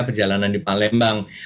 perjalanan di palembang